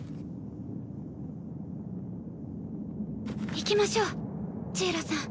行きましょうジイロさん。